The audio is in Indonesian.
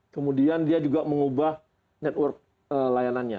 kemudian dia juga mengubah network layanannya